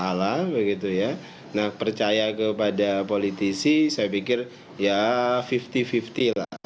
nah percaya kepada politisi saya pikir ya lima puluh lima puluh lah